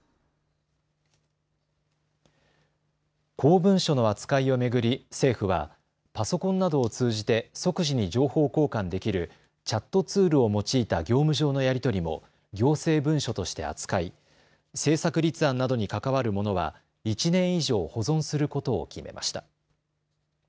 公文書の扱いを巡り政府はパソコンなどを通じて即時に情報交換できるチャットツールを用いた業務上のやり取りも行政文書として扱い政策立案などに関わるものは１年以上保存することを決めました。